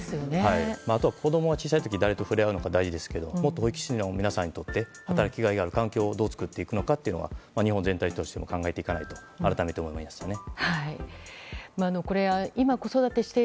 あとは子供が小さい時誰と触れ合うのか大事ですけど、もっと保育士の皆さんにとって働き甲斐のある環境をどう作っていくのか日本全体で考えていかないといけませんね。